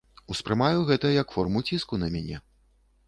Успрымаю гэта як форму ціску на мяне.